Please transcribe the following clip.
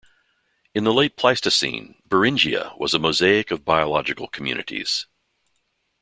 In the Late Pleistocene, Beringia was a mosaic of biological communities.